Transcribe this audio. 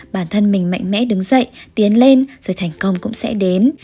bản thân mình mạnh mẽ đứng dậy tiến lên rồi thành công cũng sẽ đến